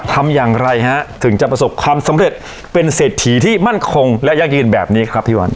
ทำอย่างไรฮะถึงจะประสบความสำเร็จเป็นเศรษฐีที่มั่นคงและยั่งยืนแบบนี้ครับพี่วัน